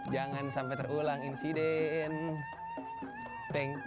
jangan sampai terulang insiden